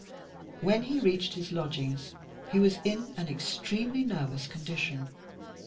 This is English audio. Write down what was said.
When he reached his lodgings he was in an extremely nervous condition.